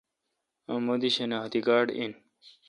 اؘ مہ دی شناختی کارڈ این۔